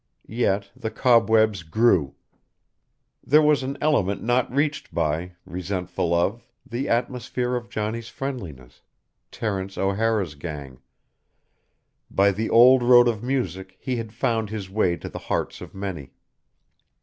Yet the cobwebs grew; there was an element not reached by, resentful of, the atmosphere of Johnny's friendliness "Terence O'Hara's gang." By the old road of music he had found his way to the hearts of many.